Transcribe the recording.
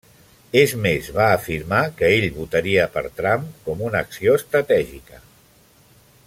És més, va afirmar que ell votaria per Trump com una acció estratègica.